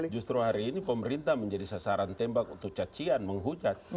justru hari ini pemerintah menjadi sasaran tembak untuk cacian menghujat